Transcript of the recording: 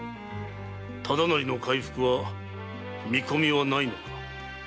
忠成の回復は見込みはないのか？